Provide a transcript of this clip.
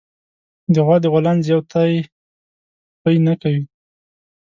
د غوا د غولانځې يو تی پئ نه کوي